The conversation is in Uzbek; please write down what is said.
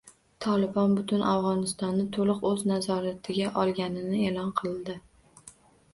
“Tolibon” butun Afg‘onistonni to‘liq o‘z nazoratiga olganini e’lon qildi